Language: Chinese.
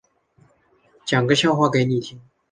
说个笑话给你听